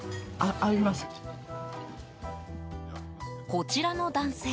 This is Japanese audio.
こちらの男性